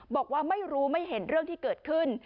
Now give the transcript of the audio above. บอกว่าไม่รู้ไม่เห็นเรื่องที่เกิดขึ้น